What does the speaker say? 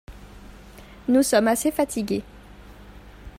Nous sommes assez fatigués.